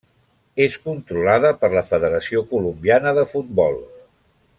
És controlada per la Federació Colombiana de Futbol.